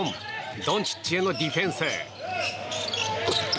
ドンチッチへのディフェンス。